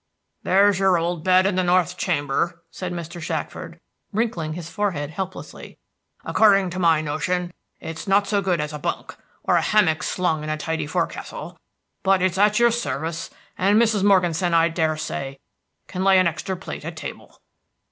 "There's your old bed in the north chamber," said Mr. Shackford, wrinkling his forehead helplessly. "According to my notion, it is not so good as a bunk, or a hammock slung in a tidy forecastle, but it's at your service, and Mrs. Morganson, I dare say, can lay an extra plate at table."